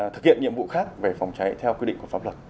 thực hiện nhiệm vụ khác về phòng cháy theo quy định của pháp luật